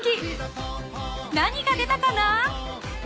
［何が出たかな？］